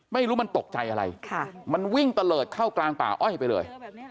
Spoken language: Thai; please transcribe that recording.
ไม่รู้มันตกใจอะไรมันวิ่งตะเลิศเข้ากลางป่าอ้อยไปเลย